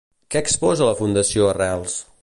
Què exposa la fundació Arrels?